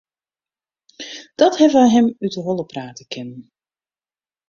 Dat hawwe wy him út 'e holle prate kinnen.